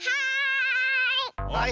はい！